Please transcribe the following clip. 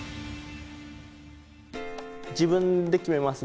自分で決めます。